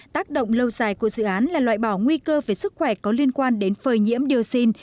tác động lâu dài của dự án là loại bỏ nguy cơ về sức khỏe có liên quan đến phơi nhiễm dioxin